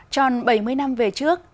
tròn bảy mươi năm về trước